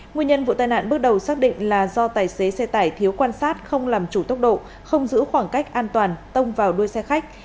nguyên nhân vụ tai nạn bước đầu xác định là do tài xế xe tải thiếu quan sát không làm chủ tốc độ không giữ khoảng cách an toàn tông vào đuôi xe khách